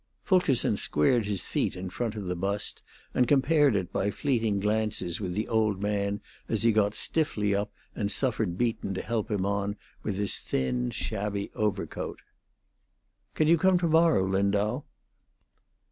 Fulkerson squared his feet in front of the bust and compared it by fleeting glances with the old man as he got stiffly up and suffered Beaton to help him on with his thin, shabby overcoat. "Can you come to morrow, Lindau?"